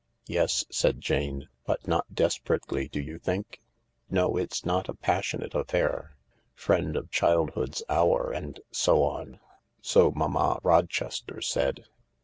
" Yes," said Jane, " but not desperately, do you think ?" "No, it's not a passionate affair. Friend of child hood's hour, and so on, so Mamma Rochester said."